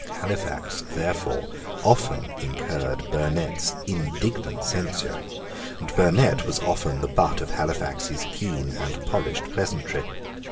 Halifax therefore often incurred Burnet's indignant censure; and Burnet was often the butt of Halifax's keen and polished pleasantry.